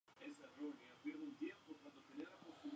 Durante mucho tiempo se creyó que las ruinas eran de origen inca.